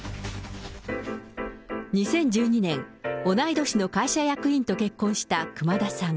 ２０１２年、同い年の会社役員と結婚した熊田さん。